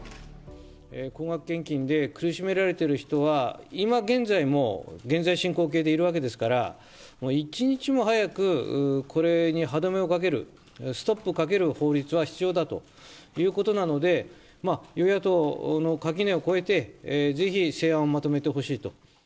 高額献金で苦しめられている人は、今現在も、現在進行形でいるわけですから、一日も早く、これに歯止めをかける、ストップをかける法律は必要だということなので、与野党の垣根を超えて、ぜひ、成案をまとめてほしいと。